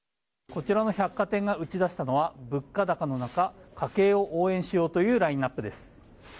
こちらの百貨店が打ち出したのは物価高の中、家計を応援しようというラインアップです。